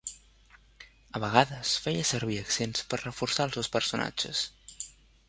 A vegades feia servir accents per reforçar els seus personatges.